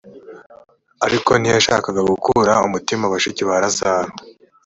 ariko ntiyashakaga gukura umutima bashiki ba lazaro